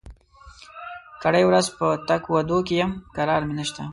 کرۍ ورځ په تګ و دو کې يم؛ کرار مې نشته.